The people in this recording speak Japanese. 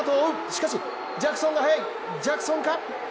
しかし、ジャクソンが速いジャクソンか？